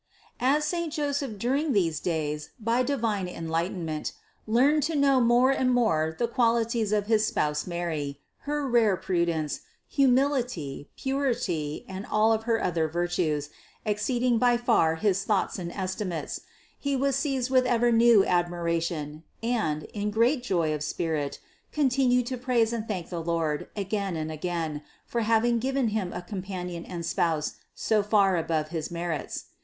766. As saint Joseph during these days by divine en lightenment learnt to know more and more the qualities THE CONCEPTION 583 of his spouse Mary, her rare prudence, humility, purity and all her other virtues exceeding by far his thoughts and estimates, he was seized with ever new admiration and, in great joy of spirit, continued to praise and thank the Lord again and again for having given him a Com panion and Spouse so far above his merits.